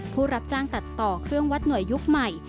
ผู้รับจ้างตัดต่อเครื่องวัดหน่วยยุคใหม่